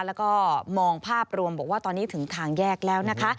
แล้วก็มองภาพรวมบอกว่าตอนนี้ถึงทางแยกแล้วนะคะ